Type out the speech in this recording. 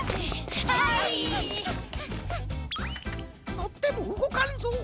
のってもうごかんぞ。